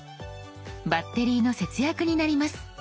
バッテリーの節約になります。